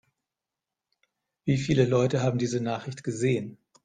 Wie viele Leute haben diese Nachricht gesehen?